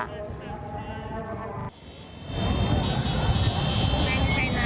มันใช้น้ำฉีดนะ